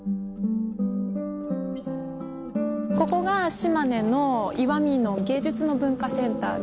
ここが島根の石見の芸術の文化センターで。